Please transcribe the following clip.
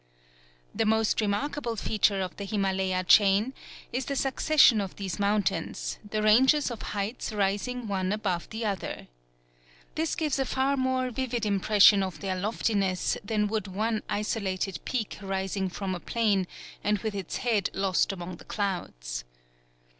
The most remarkable feature of the Himalaya chain is the succession of these mountains, the ranges of heights rising one above the other. This gives a far more vivid impression of their loftiness than would one isolated peak rising from a plain and with its head lost among the clouds.